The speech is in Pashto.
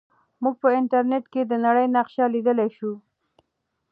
موږ په انټرنیټ کې د نړۍ نقشه لیدلی سو.